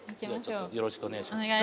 よろしくお願いします。